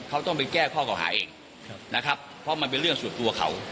เขาต้องไปแก้ข้อเก่าหาเองนะครับเพราะมันเป็นเรื่องส่วนตัวเขา